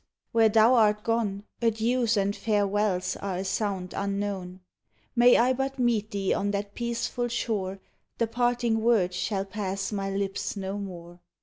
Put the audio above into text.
Where thou art gone Adieus and farewells are a sound unknown; May I but meet thee on that peaceful shore. The parting word shall pass my lips no more.